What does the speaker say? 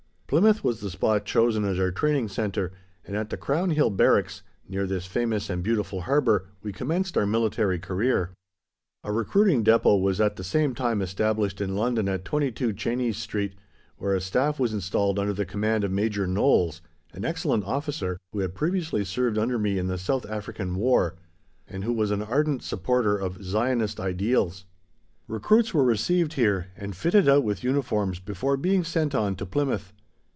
Plymouth was the spot chosen as our training centre, and at the Crown Hill Barracks, near this famous and beautiful harbour, we commenced our military career. A recruiting Depôt was at the same time established in London at 22, Chenies Street, where a Staff was installed under the command of Major Knowles, an excellent officer, who had previously served under me in the South African War, and who was an ardent supporter of Zionist ideals. Recruits were received here, and fitted out with uniforms before being sent on to Plymouth.